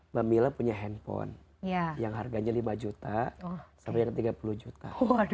mbak mila punya handphone yang harganya lima juta sampai dengan tiga puluh juta